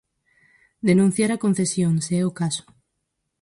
Denunciar a concesión, se é o caso.